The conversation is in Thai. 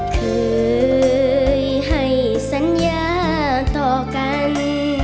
เคยให้สัญญาต่อกัน